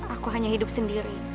aku hanya hidup sendiri